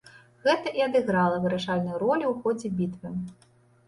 Гэта і адыграла вырашальную ролю ў ходзе бітвы.